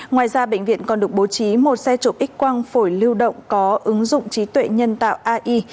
ngoài ra bệnh viện còn được bố trí một xe chụp x quang phổi lưu động có ứng dụng trí tuệ nhân tạo ai